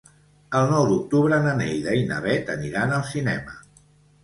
El nou d'octubre na Neida i na Bet aniran al cinema.